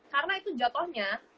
karena itu jatohnya